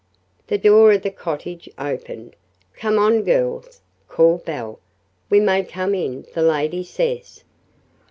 The door of the cottage opened. "Come on, girls!" called Belle. "We may come in the lady says."